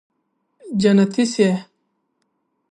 جنتي شې